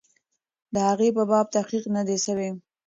د هغې په باب تحقیق نه دی سوی.